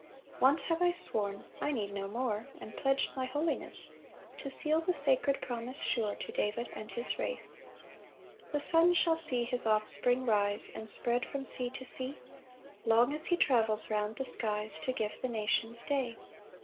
4 "Once have I sworn (I need no more) "And pledg'd my holiness "To seal the sacred promise sure "To David and his race. 5 "The sun shall see his offspring rise "And spread from sea to sea, "Long as he travels round the skies "To give the nations day.